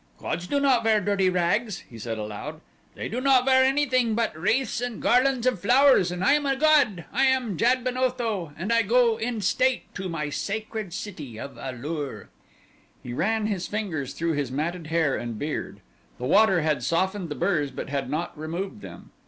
"Gods do not wear dirty rags," he said aloud. "They do not wear anything but wreaths and garlands of flowers and I am a god I am Jad ben Otho and I go in state to my sacred city of A lur." He ran his fingers through his matted hair and beard. The water had softened the burrs but had not removed them.